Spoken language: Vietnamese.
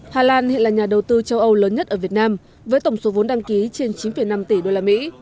hà lan hiện là nhà đầu tư châu âu lớn nhất ở việt nam với tổng số vốn đăng ký trên chín năm tỷ usd